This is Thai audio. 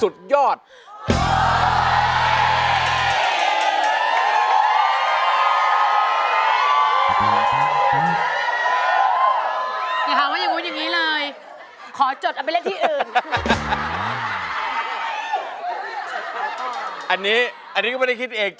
อันนี้ก็ไม่ได้คิดเอง